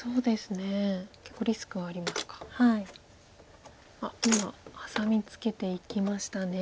あっ今ハサミツケていきましたね。